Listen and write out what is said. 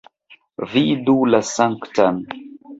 Vidu la Sanktan!